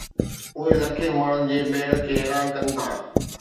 اهي لکين ماڻهن جي ميڙ کي حيران ڪن ٿا